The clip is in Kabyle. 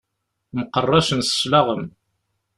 Mqeṛṛacen cclaɣem.